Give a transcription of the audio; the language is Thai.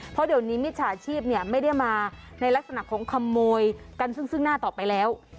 เพราะเดี๋ยวนี้มิจฉาชีพไม่ได้มาในลักษณะของขโมยกันซึ่งหน้าต่อไปแล้ว